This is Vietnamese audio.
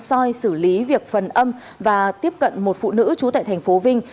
soi xử lý việc phần âm và tiếp cận một phụ nữ trú tại thành phố vinh